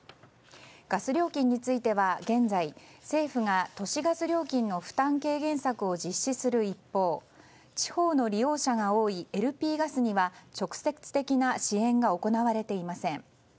ガス料金については現在、政府が都市ガス料金の負担軽減策を実施する一方地方の利用者が多いＬＰガスには直接的な支援が行われていません。